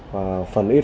và phần ít